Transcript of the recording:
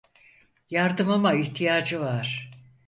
Yardımıma ihtiyacı var.